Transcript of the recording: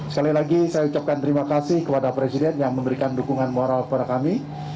sekali lagi saya ucapkan terima kasih kepada presiden yang memberikan dukungan moral kepada kami